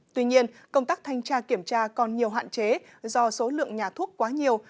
tuy nhiên công tác thanh tra kiểm tra còn nhiều hạn chế do số lượng nhà thuốc quá nhiều